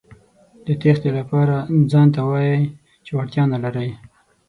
د تېښتې لپاره ځانته وايئ چې وړتیا نه لرئ.